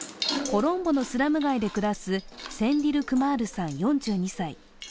コロンボのスラム街で暮らすセンディルクマールさん４２歳。